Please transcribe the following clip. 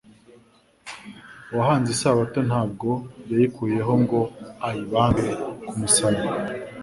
Uwahanze Isabato ntabwo yayikuyeho ngo ayibambe ku musaraba.